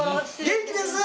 元気です！